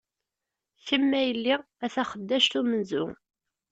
Kem a yell-i, a taxeddact umenzu!